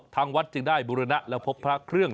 ทางวัดจึงได้บุรณะและพบพระเครื่อง